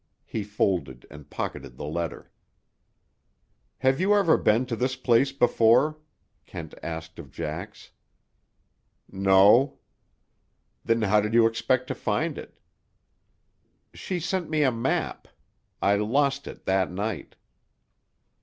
He folded and pocketed the letter. "Had you ever been to this place before?" Kent asked of Jax. "No." "Then how did you expect to find it?" "She sent me a map. I lost it—that night."